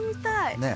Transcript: ねえ。